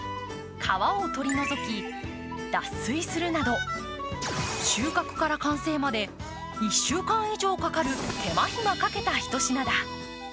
皮を取り除き、脱水するなど収穫から完成まで１週間以上かかる手間暇かけた一品だ。